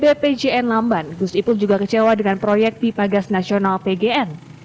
bb pjn lamban gus ibu juga kecewa dengan proyek pipagas nasional pgn